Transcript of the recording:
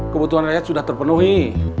kebutuhan rakyat sudah terpenuhi